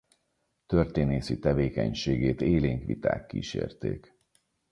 Történészi tevékenységét élénk viták kísérték.